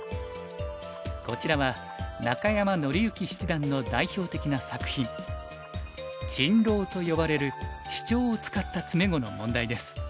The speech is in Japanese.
こちらは中山典之七段の代表的な作品珍瓏と呼ばれるシチョウを使った詰碁の問題です。